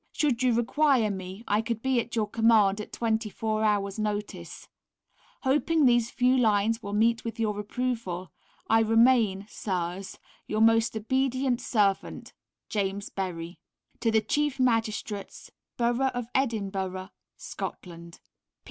Should you require me I could be at your command at 24 hours' notice. Hoping these few lines will meet with your approval. I remain, Sirs, Your Most Obedient Servant, JAMES BERRY. To The Chief Magistrates, Borough of Edinburgh, Scotland.